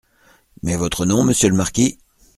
Mais votre nom, monsieur le marquis ?